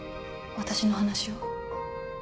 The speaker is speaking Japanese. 私の話を。